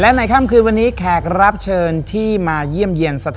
และในค่ำคืนวันนี้แขกรับเชิญที่มาเยี่ยมสักครั้งครับ